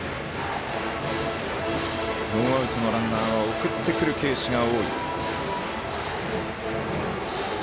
ノーアウトのランナーは送ってくるケースが多い。